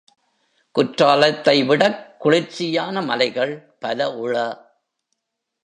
குற்றாலத்தைவிடக் குளிர்ச்சியான மலைகள் பல உள.